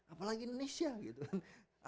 apalagi indonesia gitu kan